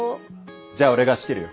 じゃあ俺が仕切るよ。